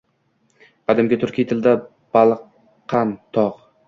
Qadimgi turkiy tilda balqan – tog‘.